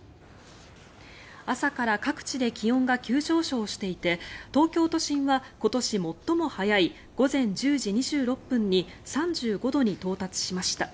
朝から各地で気温が急上昇していて東京都心は今年最も早い午前１０時２６分に３５度に到達しました。